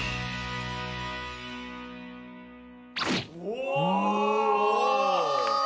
お！